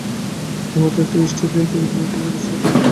কেবলমাত্র ত্রিশটা দিন, দিনগুলাও চব্বিশ ঘন্টার এক মিনিট বেশি নয়।